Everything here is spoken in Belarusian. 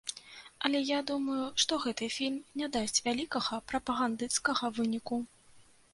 Але я думаю, што гэты фільм не дасць вялікага прапагандысцкага выніку.